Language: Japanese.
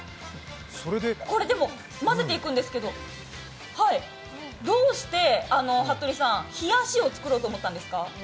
これ混ぜていくんですけど、どうして冷やしを作ろうと思ったんですか？